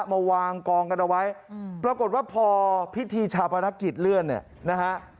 มาวางกองกันเอาไว้ปรากฏว่าพอพิธีชาปนกิจเลื่อนเนี่ยนะฮะ